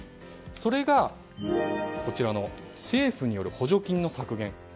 それが政府による補助金の削減。